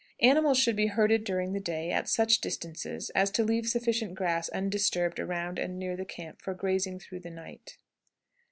Animals should be herded during the day at such distances as to leave sufficient grass undisturbed around and near the camp for grazing through the night.